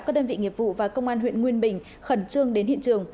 các đơn vị nghiệp vụ và công an huyện nguyên bình khẩn trương đến hiện trường